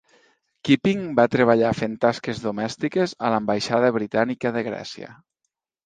Keeping va treballar fent tasques domèstiques a l'ambaixada britànica de Grècia.